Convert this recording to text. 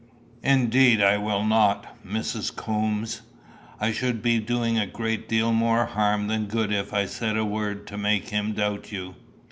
"Indeed I will not, Mrs. Coombes. I should be doing a great deal more harm than good if I said a word to make him doubt you."